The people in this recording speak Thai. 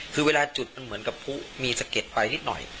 คือเวลาจุดมันเหมือนกับผู้มีสะเก็ดไปนิดหน่อย